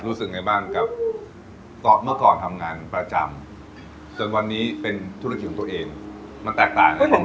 รู้สึกไงบ้างกับเมื่อก่อนทำงานประจำจนวันนี้เป็นธุรกิจของตัวเองมันแตกต่างกันผม